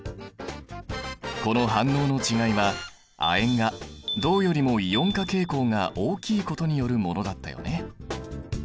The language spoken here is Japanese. この反応の違いは亜鉛が銅よりもイオン化傾向が大きいことによるものだったよね。